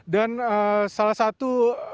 dan salah satu